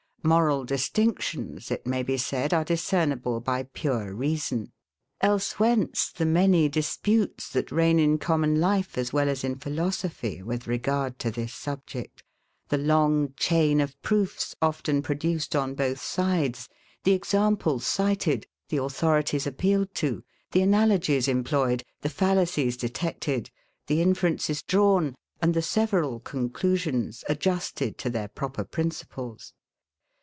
Moral distinctions, it may be said, are discernible by pure reason: else, whence the many disputes that reign in common life, as well as in philosophy, with regard to this subject: the long chain of proofs often produced on both sides; the examples cited, the authorities appealed to, the analogies employed, the fallacies detected, the inferences drawn, and the several conclusions adjusted to their proper principles.